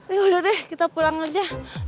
yaudah deh kita pulang aja